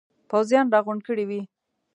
پوځیان را غونډ کړي وي.